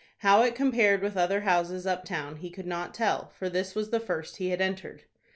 How it compared with other houses up town he could not tell, for this was the first he had entered.